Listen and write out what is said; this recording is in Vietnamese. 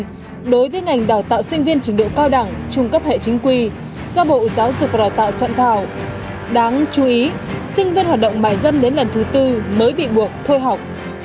tuy nhiên đối với ngành đào tạo sinh viên trình độ cao đẳng trung cấp hệ chính quy do bộ giáo dục và đào tạo soạn thảo đáng chú ý sinh viên hoạt động bài dân đến lần thứ tư mới bị buộc thôi học